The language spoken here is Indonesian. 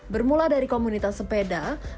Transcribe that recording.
bermula dari komunitas sepeda